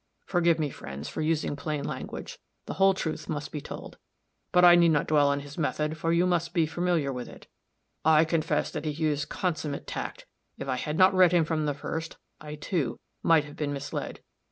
(Forgive me, friends, for using plain language the whole truth must be told.) But I need not dwell on his method, for you must be familiar with it. I confess that he used consummate tact; if I had not read him from the first, I, too, might have been misled.